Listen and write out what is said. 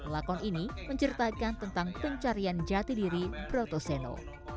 lakon ini menceritakan tentang pencarian jati diri broto seno